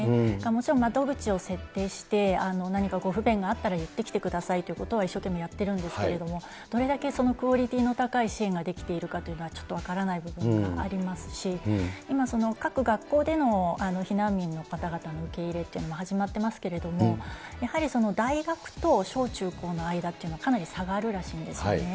もちろん窓口を設定して、何かご不便があったら言ってきてくださいということは一生懸命やってるんですけれども、どれだけクオリティーの高い支援ができているかというのは、ちょっと分からない部分がありますし、今、各学校での避難民の方々の受け入れというのも始まっていますけれども、やはり大学と小中高の間っていうのは、かなり差があるらしいんですね。